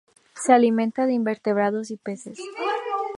Se alimenta de invertebrados y peces.